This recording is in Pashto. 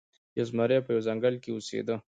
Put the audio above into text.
یو زمری په یوه ځنګل کې اوسیده.